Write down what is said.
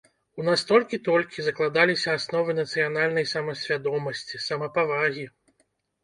У нас толькі-толькі закладаліся асновы нацыянальнай самасвядомасці, самапавагі.